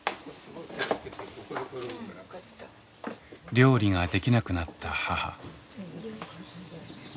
料理ができなくなった母。